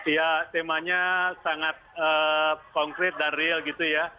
ya temanya sangat konkret dan real gitu ya